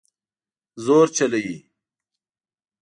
زور چلوي